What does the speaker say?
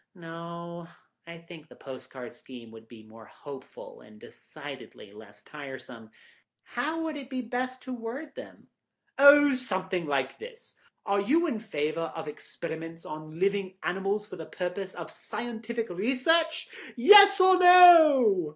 No, I think the postcard scheme would be more hopeful and decidedly less tiresome. How would it be best to word them?" "Oh, something like this: 'Are you in favour of experiments on living animals for the purpose of scientific research—Yes or No?